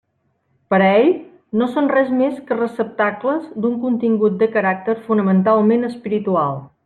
Per a ell no són res més que receptacles d'un contingut de caràcter fonamentalment espiritual.